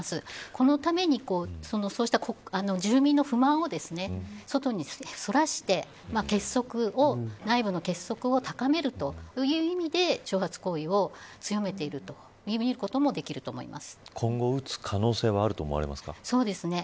このためにそうした住民の不満を外にそらして内部の結束を高めるという意味で挑発行為を強めている今後、撃つ可能性はそうですね。